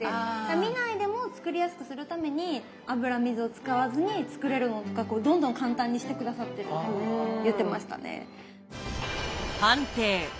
見ないでも作りやすくするために油・水を使わずに作れるものとかどんどん簡単にして下さってるって言ってましたね。